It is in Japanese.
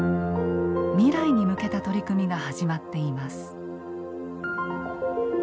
未来に向けた取り組みが始まっています。